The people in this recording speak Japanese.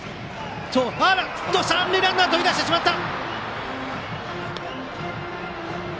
三塁ランナー飛び出してしまった！